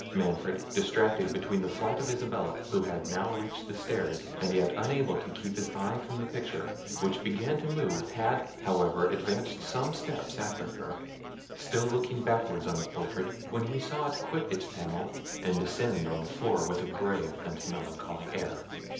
Manfred, distracted between the flight of Isabella, who had now reached the stairs, and yet unable to keep his eyes from the picture, which began to move, had, however, advanced some steps after her, still looking backwards on the portrait, when he saw it quit its panel, and descend on the floor with a grave and melancholy air.